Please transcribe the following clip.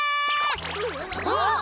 あっ！